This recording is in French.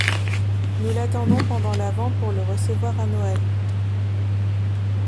Nous l'attendons pendant l'Avent pour le recevoir à Noël.